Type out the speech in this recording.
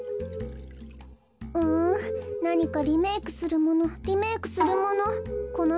うんなにかリメークするものリメークするもの。